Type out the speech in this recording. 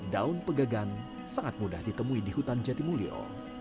daun pegagan sangat mudah ditemui di hutan jatimulyo